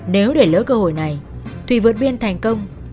nếu để lỡ cơ hội này thì vượt biên thành công